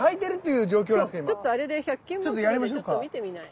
ちょっとあれで１００均マクロでちょっと見てみない？